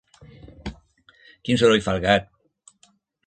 Quin soroll fa el gat?